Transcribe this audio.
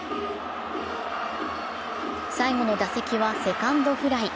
最後の打席はセカンドフライ。